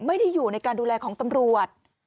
ไม่ได้อยู่ในการดูแลของตำรวจ